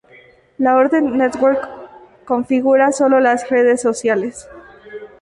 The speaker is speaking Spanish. La orden network configura sólo las redes conectadas.